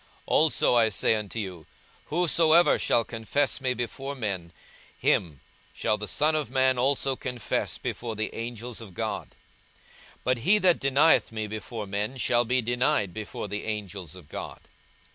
42:012:008 Also I say unto you, Whosoever shall confess me before men, him shall the Son of man also confess before the angels of God: 42:012:009 But he that denieth me before men shall be denied before the angels of God.